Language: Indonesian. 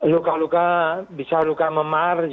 luka luka bisa luka memar